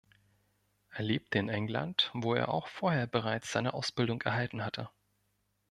Er lebte in England, wo er auch vorher bereits seine Ausbildung erhalten hatte.